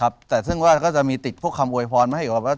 ครับแต่ซึ่งว่าก็จะมีติดพวกคำโวยพรมาให้กับว่า